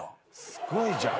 すごいじゃん。